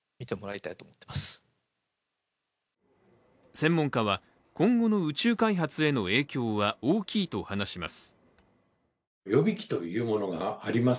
専門家は、今後の宇宙開発への影響は大きいと話します。